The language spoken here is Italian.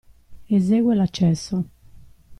Esegue l'accesso.